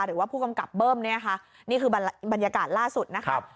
หรือว่าผู้กำกับเบิ้มเนี่ยค่ะนี่คือบรรยากาศล่าสุดนะครับ